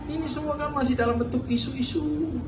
ini semoga masih dalam bentuk isu isu